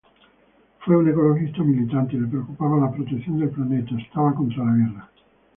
Fue un ecologista militante, le preocupaba la protección del planeta, estaba contra la guerra.